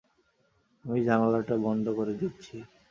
আমি জানালাটা বন্ধ করে দিচ্ছি।